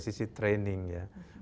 sisi training ya